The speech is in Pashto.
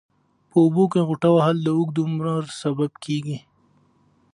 په اوبو کې غوټه وهل د اوږد عمر سبب کېږي.